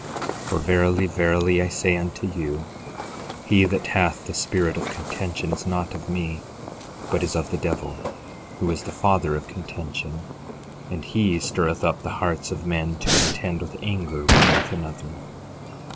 11:29 For verily, verily I say unto you, he that hath the spirit of contention is not of me, but is of the devil, who is the father of contention, and he stirreth up the hearts of men to contend with anger, one with another.